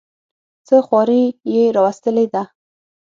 څه خواري یې راوستلې ده.